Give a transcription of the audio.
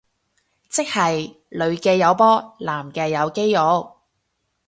即係女嘅有波男嘅有肌肉